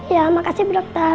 ya makasih bu dokter